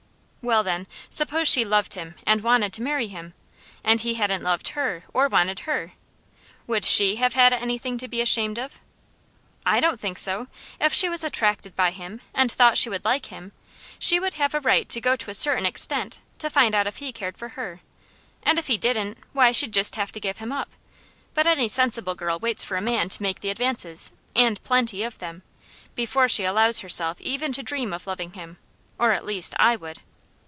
"Well, then, suppose she loved him, and wanted to marry him, and he hadn't loved her, or wanted her, would SHE have had anything to be ashamed of?" "I don't think so! If she was attracted by him, and thought she would like him, she would have a right to go to a certain extent, to find out if he cared for her, and if he didn't, why, she'd just have to give him up. But any sensible girl waits for a man to make the advances, and plenty of them, before she allows herself even to dream of loving him, or at least, I would."